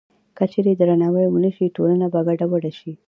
که چېرې درناوی ونه شي، ټولنه به ګډوډه شي.